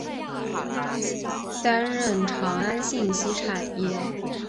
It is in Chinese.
担任长安信息产业集团股份有限公司董事长。